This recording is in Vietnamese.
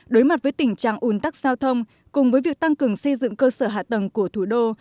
đối mặt với tình trạng ủn tắc giao thông cùng với việc tăng cường xây dựng cơ sở hạ tầng của thủ đô